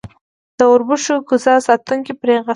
د اوربشو کوزه ساتونکی پرې غصه کېږي.